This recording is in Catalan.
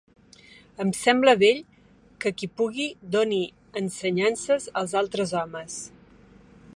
Em sembla bell que qui pugui doni ensenyances als altres homes.